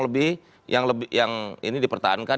lebih yang ini dipertahankan